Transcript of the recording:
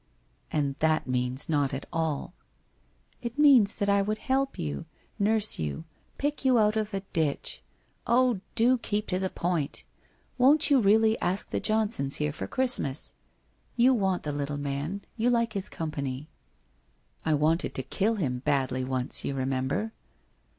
' And that means not at all.' 1 It means that I would help you, nurse you, pick you out of a ditch — oh, do keep to the point ! Won't you really ask the Johnsons here for Christmas? You want the little man — you like his company.' *I wanted to kill him badly, once, you remember?'